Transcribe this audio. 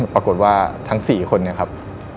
ปรากฏว่าทั้ง๔คนเนี่ยครับ